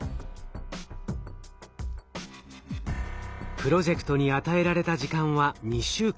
プロジェクトに与えられた時間は２週間。